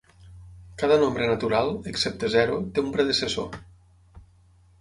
Cada nombre natural, excepte zero, té un predecessor.